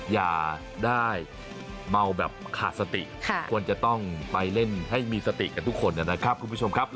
อย่าได้เมาแบบขาดสติควรจะต้องไปเล่นให้มีสติกับทุกคนนะครับคุณผู้ชมครับ